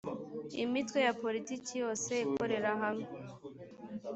imitwe ya politiki yose ikorerahamwe.